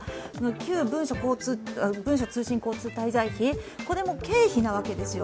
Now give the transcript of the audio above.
旧文書通信交通滞在費、これも経費なわけですよ。